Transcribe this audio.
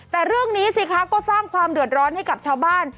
แต่เรื่องนี้สิคะก็สร้างความเดือดร้อนให้กับชาวบ้าน